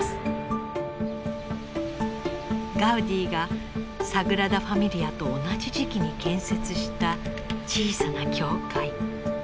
ガウディがサグラダ・ファミリアと同じ時期に建設した小さな教会。